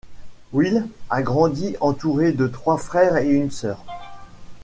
Will a grandi entouré de trois frères et une sœur.